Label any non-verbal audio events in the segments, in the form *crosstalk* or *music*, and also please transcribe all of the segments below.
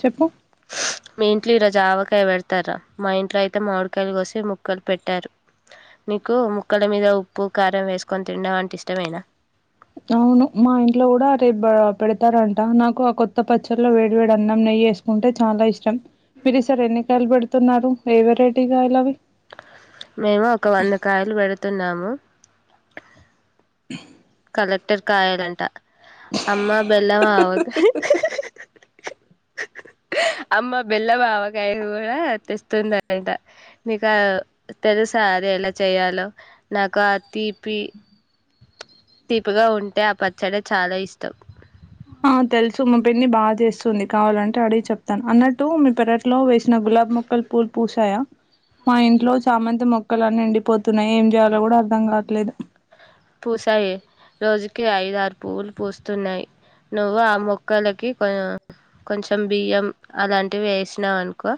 చెప్పు మీ ఇంట్లో ఈరోజు ఆవకాయ పెడతారా మా ఇంట్లో అయితే మామిడికాయలు కోసి ముక్కలు పెట్టారు మీకు ము క్కల మీద ఉప్పు కారం వేసుకొని తినడం అంటే ఇష్టమైన కే పెడతారంట నాకు ఆ కొత్త పచ్చడిలో వేడి వేడి అన్నం నెయ్యి వేసుకుంటే చాలా ఇష్టం పిరిసార్ ఎన్నికాయలు పెడుతున్నారు ఏ వెరైటీ కాయలు అవి మేము ఒక వంద కాయలు పెడుతున్నాము లెక్టరుకాయాలంట అమ్మా బెల్లం ఆవకాయ అమ్మ బెల్లం అవకాయ కూడా తెస్తుంది అంట ఇక నీకు తెలుస అది ఎలా చేయాలో నాకు ఆ తీపి తీపిగా ఉంటే ఆ పచ్చడి చాలా ఇష్టం ఆ తెలుసు ము పిన్ని బాగా చేస్తుంది కావాలంటే అడిగి చెప్తాను అన్నట్టు మీ పెరట్లో వేసిన గులాబ్ మొక్కలు పూల్ పూస యా మాఇంట్లో చామంతి మొక్కలన్నీ ఎండిపోతున్నాయి ఏం చేయాలో కూడా అర్థం కావట్లేదు పూశాయే రోజు కి ఐద ఆరు పువ్వులు పూస్తున్నాయి నువ్వు ఆ మొక్కలకి కొ కొంచెం బియ్యం అలాంటివి వేసినాం అనుకో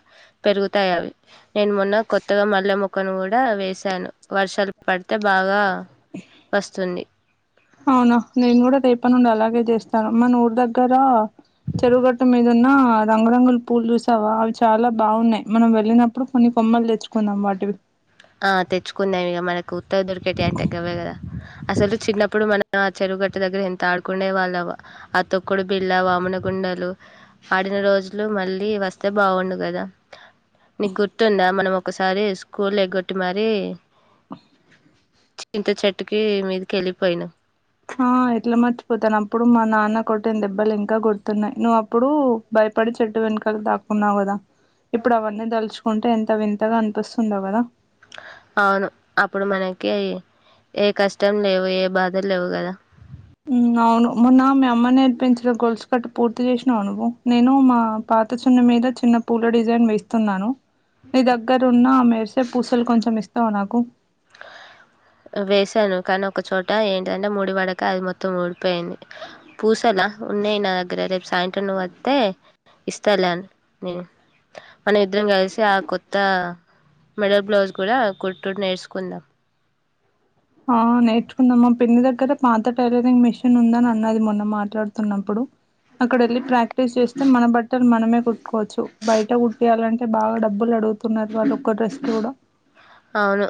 పెరుగుతాయి అవి నేను మొన్న కొ కొత్తగా మల్లె మొక్కను కూడా వేసాను వర్షాలు పడితే బాగా ట్టుంది అవునా నేను కూడా రేపటి నుండి అలాగే చేస్తాను మన ఊరు దగ్గర చెరువుగట్ట మీద ఉన్న రంగురంగుల పూలు చూసావా అవి చాలా బాగున్నాయి మనం వెళ్ళినప్పుడు కొన్ని కొమ్మలు తెచ్చుకుందాం వాటివి ఆ తెచ్చుకున్నా ఇక మనకి కొత్తగ దొరికేటి అంట గావే కదా అసలు చిన్నప్పుడు మనం ఆ చెరువుగట్ట దగ్గర ఎంత ఆడుకునే వాళ్ళం ఆ తొక్కుడు బిళ్ళ వామన గుండలు ఆడిన రోజులు మళ్ళీ వస్తే బాగుండు గా కదా నీకు గుర్తుందా మనం ఒకసారి స్కూల్ ఎగ్గొట్టి మారి చింత చెట్టుకి మీదకెళ్ళిపోయినాయి ఆ ఎట్లా మర్చిపోతాను అప్పుడు మా నాన్న కొట్టిన దెబ్బలు ఇంకా గుర్తున్నాయి నువ్వు అప్పుడు భ యపడి చెట్టు వెనుకాల దాకున్నవ్ కాదా ఇప్పుడు అవని దలుచుకుంటే ఎంత వింతగా అనిపిస్తుందో కదా అవును అప్పుడు మనకి ఏ కష్టం లేవు ఏ బాధలు లేవు కదా అవును మొన్న మీ అమ్మ నేర్పించిన గొల్సు కట్టు పూర్తి చేసినావు నువ్వు నేను మా పాతచున్ను మీద చిన్న పూల డిజైన్ వేస్తున్నాను నీ దగ్గరు ఉన్న మేరిసే పూసలు కొంచెం ఇస్తావు నాకు వేసాను కానీ ఒక చోట ఏంటంటే ముడిపడక అది మొత్తం డిపోయింది పూసలా ఉన్నాయి నా దగ్గర రేపు సాయంత్రం నువ్వు వస్తే ఇస్తాలేని నేను మనం ఇద్దరం కలిసి ఆ కొత్త మెడల్ బ్లౌజ్ కూడా కుటుడు నేర్చకుందాం ఆ నేర్చుకుందాం మా పిన్ని దగ్గరే పాత టైలరింగ్ మిషిన్ ఉందని అన్నది మొన్న మాట్లాడుతున్నప్పుడు అక్కడ వెళ్ళి ప్రాక్టీస్ చేస్తే మన బట్టలు మనమే కుట్టుకోవచ్చు బయట కుట్టటియాలంటే బాగా డబ్బులు అడుగుతున్నారు వాళ్ళు ఒక్క డ్రెస్ కూడా అవును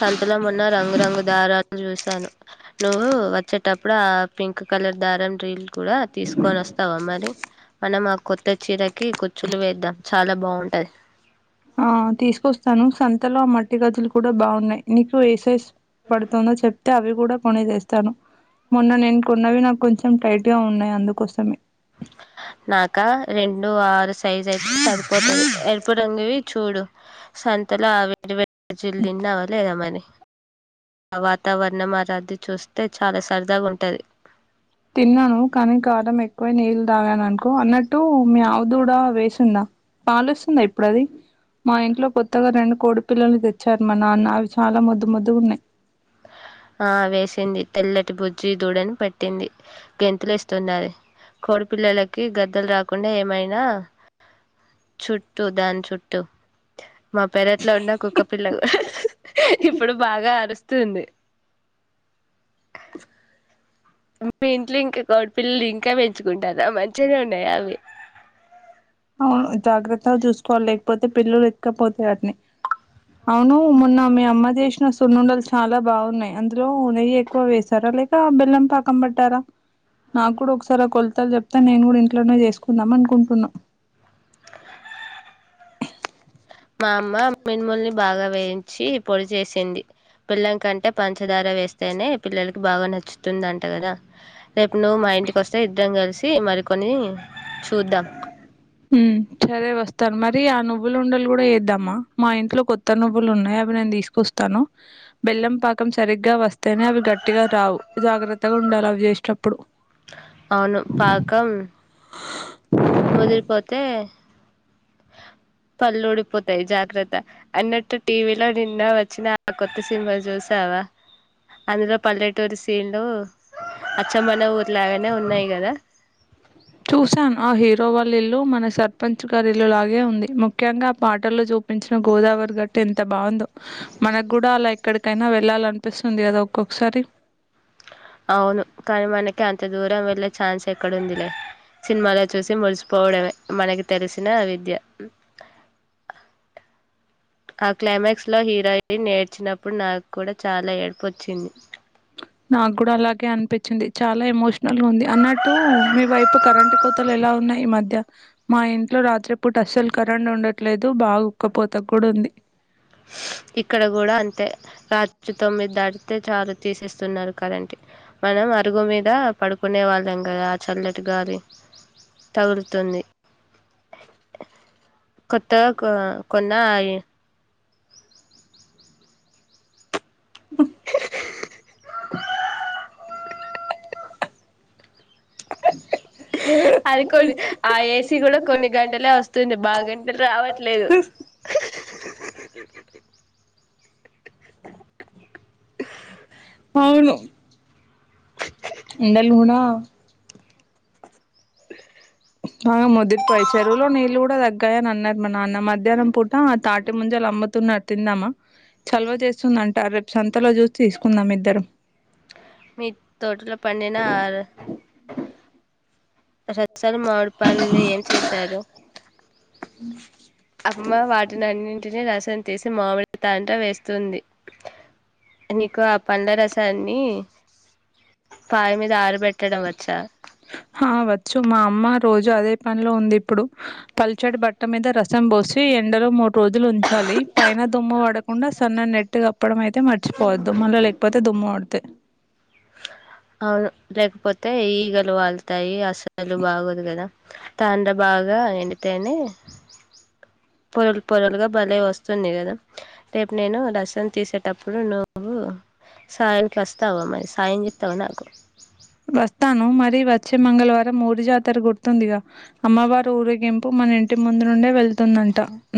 సంతలం ఉన్న రంగురంగు దారాలు చూసాను నువ్వు వచ్చేటప్పుడు ఆ పింక్ కలర్ దారం రీల్ కూడా తీసుకొని వస్తావా మరి మనం కొత్త చీరకి కుర్చులు వేద్దాం చాలా బాగుంటది గాజులు కూడా బాగున్నాయ్ నీకు ఏ సైజ్ పడుతుందో చెప్ అ అవి కూడా కొనేసస్తాను మొన్న నేను కొన్నవి నాకు కొంచెం టైట్ గా ఉన్నాయి అందుకోసమే నాకా రెండు ఆరు సైజ్ అయితే సరిపోతుది ఎరుపు రంగివి చూడు సంతలో వేడి ప్రజీలు తిన్నావా లేద మని ఆ వాతావరణం ఆరాధి చూస్తే చాలా సరదాగా ఉంటాధి తిన్నా ను కానీ గాదం ఎకువ నీల్ తాగాను అనుకో అన్నట్టు మీ ఆవ దూడ వేసిందా పాలిస్తుందా ఇప్పుడుది మా ఇంట్లో కొత్తగా రెండు కోడిపిల్లలు తెచ్చారు మా నాన్న అవి చాలా ముొద్దు ముొద్దుగు ఉన్నాయి ఆ వేసింది తెల్లటి బుజ జీ దూడని పట్టింది గెంతులు ఇస్తున్నాది కోడిపిల్లలకి గద్దలు రాకుండా ఏమైనా చుట్టూ దాని చుట్టూ మా పెరట్లో ఉన్న కుక్క పిల్ల ఇప్పుడు బాగా అరుస్తుంది మీ ఇంట్లో ఇంకా కోడపిిల్లలు ఇంకా పెంచుకుంటారా మంచిగానే ఉన్నాయి అవి జాగ్రత్తలు చూసుకోవాలి లేకపోతే పిల్లలు ఎక్కపోతాయి వాటిని అవును మొన్న మీ అమ్మ చేసిన సున్నుండలు చాలా బాగున్నాయి అందులో నెయ్యి ఎక్కువ వేశారా లేక బెల్లం పాకం పట్టారా నా కూడా ఒకసారి కొలతాలు చెప్తా నేను కూడా ఇంట్లోనే చేసుకుందాం అనుకుంటున్నా మా అమ్మ మినుముల్ని బాగా వేయించి పొడి చేసింది బిల్లం కంటే పంచ పచ్చదార వేస్తేనే పిల్లలకి బాగా నచ్చుతుందింట కదా రేపు నువ్వు మా ఇంటికి వస్తే ఇద్దరం కలిసి మరికొని ఉమ్ సరే వాస్తా స్తారు మరి ఆ నువ్వులు ఉండలు కూడా వద్దమ్మా మా ఇంట్లో కొత్త నువ్వులు ఉన్నాయి అవి నేను తీసుకొస్తాను బెల్లం పాకం సరిగ్గా వస్తేనే అవి గట్టిగా రావు జాగ్రత్తగా ఉండాలి అవి చేసేటప్పుడు అవును పాకం ముదిరిపోతే పళ్ళు ఊడిపోతాయి జాగ్రత్త అన్నట్టు టీవీలో నిన్న వచ్చిన ఆ కొత్త సినిమా చూసా వా అందులో పల్లెటూరి సీన్లు అచ్చమ్మన ఊర్లాగానే ఉన్నాయి కదా చూశాను ఆ హీరో వాళ్ళ ఇల్లు మన సర్పంచ్ గారిల్లు లాగే ఉంది ముఖ్యంగా ఆ పాటల్లో చూపించిన గోదావరి గట్టటి ఎంత బాగుందో మనకు కూడా అలా ఎక్కడికైనా వెళ్ళాల అనిపిస్తుంది కదా ఒక్కొక్కసారి అవును కానీ మనకి అంత దూరం వెళ్ళే ఛాన్స్ ఎక్కడుందిలే సినిమాలో చూసి మురిసిపోవడమే మనకి తెలిసిన విద్య ఆ క్లైమాక్స్ లో హీరోయిన్ ఏడ్చినప్పుడు నాకు కూడా చాలా ఏడ్పోచ్చింది నాగ్గూడా అలాగే అనిపిచ్చింది, చాలా ఎమోషనల్గా ఉంది, అన్నట్టు మీ వైపు కరెంట్ కోతలు ఎల్ ఇలా ఉన్నాయ్ ఈ మధ్య మా ఇంట్లో రాత్రి పూట అస్సలు కరెంట్ ఉండట్లేదు, బాగా ఉక్కపోత గూడ ఉంది. ఇక్కడ గూడా అంతే రాత్ తొమ్మిది దాడితే చాలు తీసేస్తున్నారు కరంట్ మనం అరుగు మీద పడుకునే వాళ్ళె ఇంగా ఆ చల్లటి గాలి తగులుతుంది కొత్తగ కొ కొన్నా అయి అది కొన్ని ఆ ఏసీ గూడా కొన్ని గంటలే ఒస్తుంది, బాగ గంటలు రావట్లేదు. అవును ఎండలూనా అ మొ *unintelligible* చెరువులో నీలు గూడా దగ్గాయ్ అన్ అన్నారు మా నాన్న మధ్యానం పూట ఆ తాటి ముంజల్ అమ్ అమ్ముతున్న తిందామా చొలవ చేస్తుంద అంటారు రేప్ సంతలో చూసి తీసుకుందాం ఇద్దరం మి తోటలో పనినార్ *unintelligible* మామిడి పండు ఏం చేసారు అమ్మ వాటినన్నింటినీ రసం తీసి మామిడి తాండ్ర వేస్తుంది నీకు ఆ పండ్ల రసాన్ని పాయ మీద ఆరబెట్టడం వచ్చా రోజూ అదే పనిలో ఉంది ఇప్పుడు పల్చడి బట్ట మీద రసం బోసి ఎండలో మూ రోజులు ఉంచాలి పైన దుమ్ము వడకుండా సన్న నెట్టు గప్పడం ఐ తే మర్చిపోవద్దు మళ్ళ లేకపోతే దుమ్ము వడితే అవును లేకపోతే ఈగలు వాళ్తాయి అసలు బాగోదు గదా తాండ్ర భాగా ఎండితేేనే పొరలు పొరలుగా భలే వస్తుంది గదా, రేపు నేను రసన్ తీసేటప్పుడు నువ్. ఊ సాయనికి ఒస్తావా మరి సాయం చెత్తవా నాకు వస్తాను మరి వ చ్చే మంగళవారం ఊరి జాతర గుర్తుంది ఇగా అమ్మవారు ఊరిగింపు మన ఇంటి ముందు నుండే వెళ్తున్న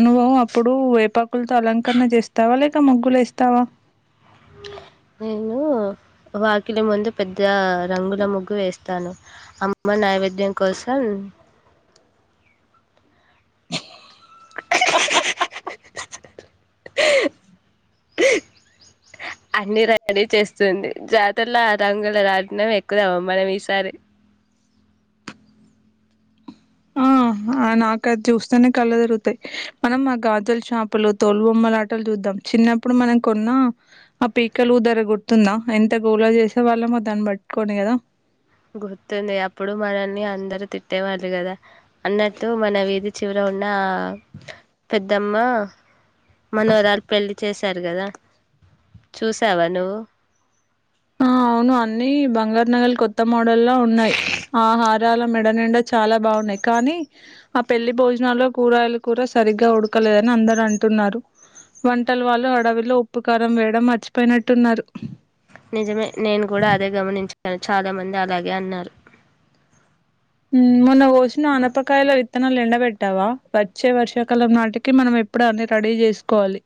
నువ్వు అప్పుడు వేపాకులతో అలంకరణ చేస్తావా లేక ముగ్గులు ఏస్తావా నేనూ వాకిలి ముందు పెద్ద రంగుల ముగ్గు వేస్తాను అ *inaudible* మన నైవేద్యం కోసం అఅఅఅ అన్ని రెడీ చేస్తుంది జాతరలో ఆ రంగుల రాట్నం ఎక్కుదామ మనం ఈసారి ఆ ఆ నాకు అది చూస్తేనే కళ్ళ తిరుగుతయ్, మనం ఆ గాజులు షాపులు, తోలు బొమ్మలాటలు, చూద్దాం. చిన్నప్పుడు మనం కొన్న ఆ పీకలు ధర గుర్తుందా ఎంత గోలా చేసే వాళ్ళమో దాన్ బ కోడ్ని గదా గుర్తుంది అప్పుడు మనల్ని అందరూ తిట్టేవాళ్ళు గదా అన్నట్టు మన వీధి చివర నా పెద్దమ్మ మనవరాలు పెళ్లి చేస్ సార్ గదా చూసావా నువ్వు ఆ అవును అన్నీ బంగార్ నగల్ కొత్త మోడల్లా ఉన్నాయ్, ఆ హారాలు మెడ నిండా చాలా బా. బావున్నాయ్ కానీ ఆ పెళ్లి భోజనాలు కూరలు కూడా సరిగ్గా ఉడకలేదని అందరు అంటున్నారు వంటలు వాళ్ళు హడవిలో ఉప్పు కారం వేయడం మర్చిపోయినట్టున్నారు నిజమే నేను కూడా అదే గమనించాను చాలా మంది అలాగే అన్నారు మొన్న కోషిన ఆనపకాయలో విత్తనాలు ఎండ బెట్టావా వచ్చే వర్షాకాలం నాటికి మనం ఇప్పుడు అన్ని రెడీ చేసుకోవాలి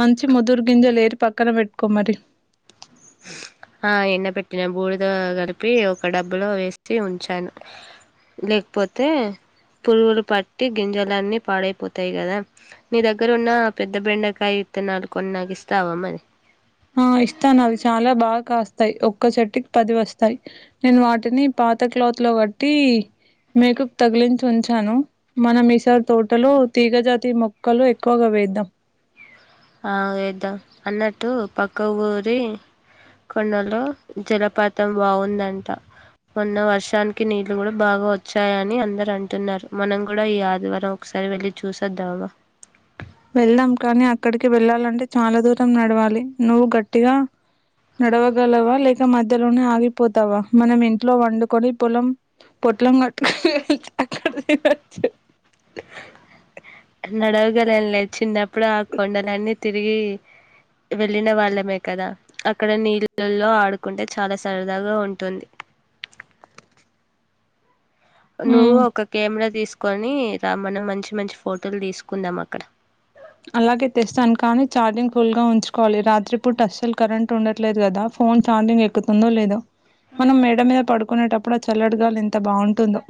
మంచి ముదురు గింజలు ఏరి పక్కన పెట్టుకోమరి ఆ ఎండ పెట్టిన బూడిద కలిపి ఒక డబ్బులో ఎసి ఉంచాను లేకపోతే పురుగులు పట్టి గింజాలన్నీ పాడైపోతాయి కదా నీ దగ్గర ఉన్న పెద్ద బెండకాయ ఇత్తనాలు కొనినాకిస్తవ మరి ఆ ఇస్తాను అవి చాలా బాగా కాస్తాయ్ ఒక్క చెట్టుకి పది వస్తా స్తాయ్ నేను వాటిని పాత క్లాత్ లో కట్టి మేకుకి తగిలించి ఉంచాను మన మీసర్ తో ట్టలు తీగజాతి మొక్కలు ఎక్కువగా వేద్దాం ఆ వేద్దాం అన్నట్టు పక్క ఊరి కొండలో జలపాతం బావుందంట మొన్న వర్షానికి నీళ్లు కూడా బాగా వచ్చాయని అందరు అంటున్నారు మనం కూడా ఈ ఆదివారం ఒక ఒకసారి వెళ్ళి చూసొద్దామా వెళ్దాం కానీ అక్కడికి వెళ్ళాలంటే చాలా దూరం నడవాలి నువ్వు గట్టిగా నడవగలవా లేక మధ్యలోనే ఆగిపోతావా మనం ఇంట్లో వండుకొని పొలం పొట్లం గట్టు నడవగలంలే చిన్నప్పుడు ఆ కొండలన్నీ తిరిగి వెళ్ళిన వాళ్ళమే కదా అక్కడ నీళ్ళలో ఆడుకుంటే చాలా సరదాగా ఉంటుంది నువ్వు ఉమ్ ఒక కెమెరా తీసు కొని ర మనం మంచి మంచి ఫోటోలు తీసుకుందాం అక్కడ అలాగే తెస్తాను కానీ ఛార్జింగ్ ఫుల్గా ఉంచుకోవాలి రాత్రి పూట అస్సలు కరెంట్ ఉండట్లేదు కదా ఫోన్ ఛార్జింగ్ ఎక్కుతుందో లేదో మనం మేడ మీద పడుకునేటప్పుడు ఆ చల్లటిగాలి ఎంత బాగుంటుందో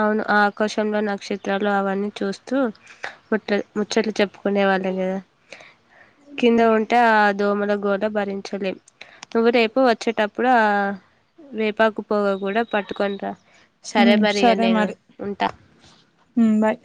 అవును ఆకాశ్ లో నక్షత్రాలు అవన్నీ చూస్తూ ముట్ట ముచ్చట్లు చెప్పుకునే వాళ్ళం కదా కింద ఉంటే ఆ దోమల గోల భరించలేం నువ్వు రేపు వచ్చేటప్పుడు వేపాకు పోగ కూడా పట్టుకొని ర సరే ఉమ్ మరి ఇక సరే నేను మరి ఉంటా ఉమ్ బాయ్